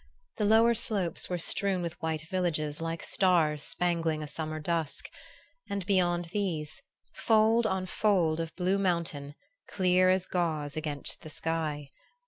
The lower slopes were strewn with white villages like stars spangling a summer dusk; and beyond these, fold on fold of blue mountain, clear as gauze against the sky.